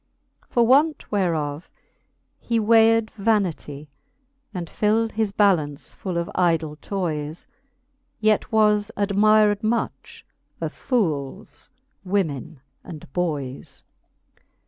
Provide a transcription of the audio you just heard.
For want whereof he weighed vanity, And fild his ballaunce full of idle toys : Yet was admired much of foolcs, women, and boys.